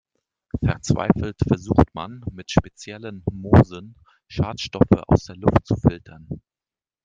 Verzweifelt versucht man, mit speziellen Moosen Schadstoffe aus der Luft zu filtern.